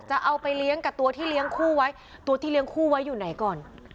จะเอาไปเลี้ยงกับตัวที่เลี้ยงคู่ไว้ตัวที่เลี้ยงคู่ไว้อยู่ไหนก่อน